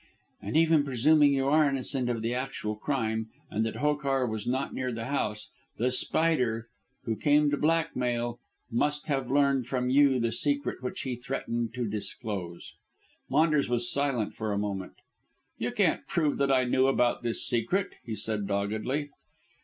"And even presuming you are innocent of the actual crime, and that Hokar was not near the house, The Spider, who came to blackmail, must have learned from you the secret which he threatened to disclose." Maunders was silent for a moment. "You can't prove that I knew about this secret," he said doggedly.